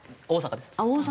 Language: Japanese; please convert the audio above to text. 大阪です。